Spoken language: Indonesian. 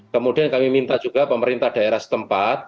kemudian kami minta juga pemerintah daerah setempat